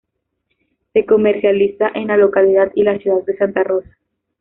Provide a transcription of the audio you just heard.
Se comercializa en la localidad y la ciudad de Santa Rosa.